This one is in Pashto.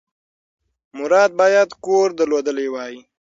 مراد باید کور درلودلی وای.